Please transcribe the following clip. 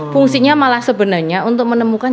fungsinya malah sebenarnya untuk menemukan